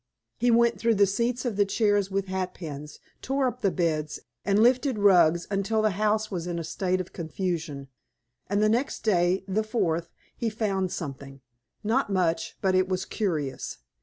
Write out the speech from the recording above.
He went through the seats of the chairs with hatpins, tore up the beds, and lifted rugs, until the house was in a state of confusion. And the next day, the fourth, he found something not much, but it was curious.